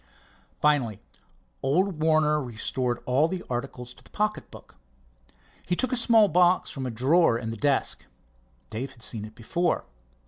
Finally old Warner restored all the articles to the pocket book. He took a small box from a drawer in the desk. Dave had seen it before.